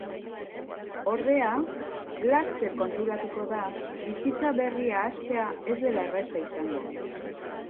Ordea, laster konturatuko da bizitza berria hastea ez dela erraza izango.